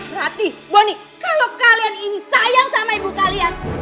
ratih bonny kalau kalian ini sayang sama ibu kalian